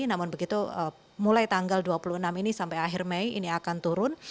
namun begitu mulai tanggal dua puluh enam ini sampai akhir mei ini akan turun